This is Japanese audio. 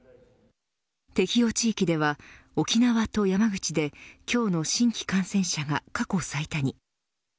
適用地域では沖縄と山口で今日の新規感染者が過去最多に。